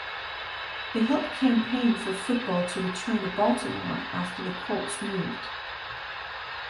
They helped campaign for football to return to Baltimore after the Colts moved.